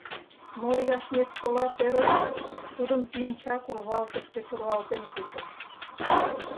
Но Яшметсола Терош тудым пинчак урвалтыж гыч руалтен кучыш.